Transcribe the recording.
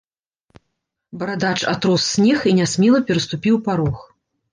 Барадач атрос снег і нясмела пераступіў парог.